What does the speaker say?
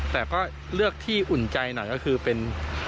แต่ก็เลือกที่อุ่นใจหน่อยก็คือเป็น